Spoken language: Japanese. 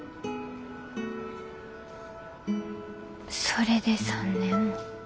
それで３年も。